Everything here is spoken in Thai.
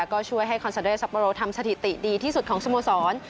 ก็ช่วยให้คอนซาเดอร์ซัปโปโรทำสถิติดีที่สุดของสโมสร